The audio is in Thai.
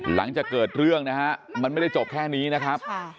หลังจากเกิดเรื่องนะฮะมันไม่ได้จบแค่นี้นะครับ